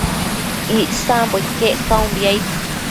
Icsambo iquec caunbi